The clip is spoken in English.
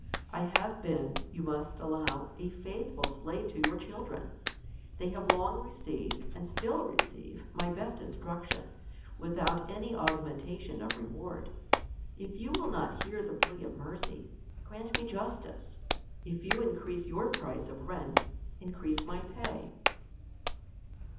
I have been, you must allow, a faithful slave to your children. They have long received, and still receive my best instruction, without an augmentation, of reward. If you v»'ill not hear the plea of mercy, grant me justice. If you increase your price of rent, increase my pay.